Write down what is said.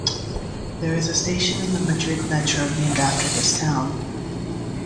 There is a station in the Madrid Metro named after this town.